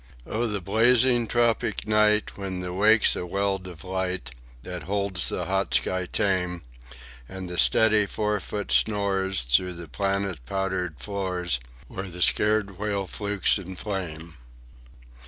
"'O the blazing tropic night, when the wake's a welt of light That holds the hot sky tame, And the steady forefoot snores through the planet powdered floors Where the scared whale flukes in flame.